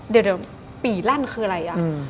เดี๋ยวปีลั่นคืออะไร